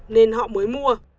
nên họ mới mua